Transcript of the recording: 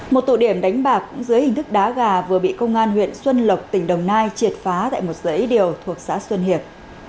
một tụ điểm đánh bạc dưới hình thức đá gà vừa bị công an huyện xuân lộc tỉnh đồng nai triệt phá tại một dãy điều thuộc xã xuân hiệp